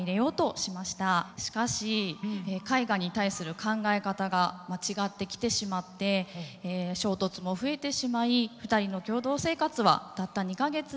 しかし絵画に対する考え方が違ってきてしまって衝突も増えてしまい２人の共同生活はたった２か月で終わりを迎えてしまいました。